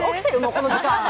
この時間。